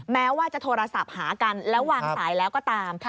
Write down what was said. แม้ว่าจะโทรศัพท์หากันแล้ววางสายแล้วก็ตาม